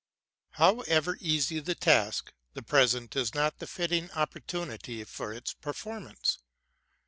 However easy the task, the present is not the fitting op portunity for its performance.